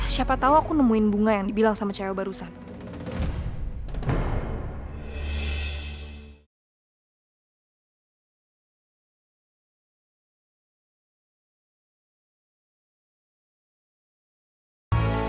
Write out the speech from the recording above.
siapa tahu aku nemuin bunga yang dibilang sama cewek barusan